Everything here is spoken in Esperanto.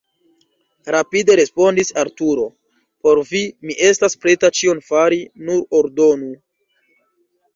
rapide respondis Arturo: por vi mi estas preta ĉion fari, nur ordonu!